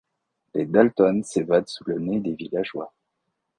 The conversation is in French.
Les Dalton s'évadent sous le nez des villageois.